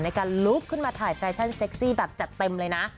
ในการลุกขึ้นมาถ่ายแฟชั่นเซ็กซี่แบบจัดเต็มเลยนะ